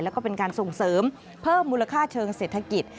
แล้วก็เป็นการส่งเสริมเพิ่มมูลค่าเชิงเศรษฐกิจ